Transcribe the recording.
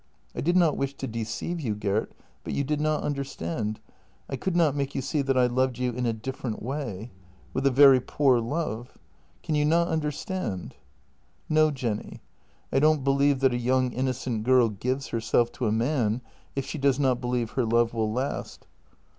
I did not wish to deceive you, Gert, but you did not understand — I could not make you see that I loved you in a different way — with a very poor love. Can you not understand ?"" No, Jenny, I don't believe that a young innocent girl gives herself to a man if she does not believe her love will last."